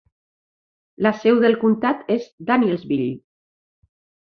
La seu del comtat és Danielsville.